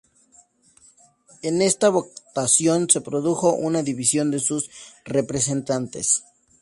En esta votación se produjo una división de sus representantes.